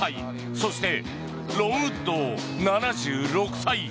そしてロン・ウッド、７６歳。